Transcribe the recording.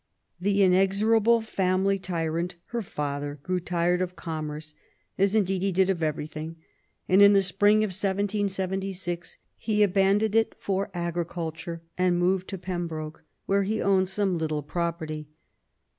The inexorable family tyrant, her father, grew tired of commerce, as indeed he did of everything, and in the spring of 1776 he abandoned it for agriculture, and removed to Pembroke, where he owned , some little property.